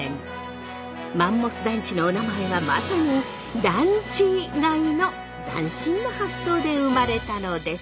マンモス団地のおなまえはまさにだんちがいの斬新な発想で生まれたのです。